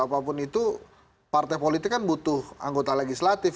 apapun itu partai politik kan butuh anggota legislatif